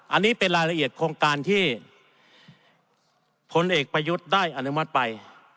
อันนี้เป็นรายละเอียดโครงการที่พลเอกประยุทธ์ได้อนุมัติไป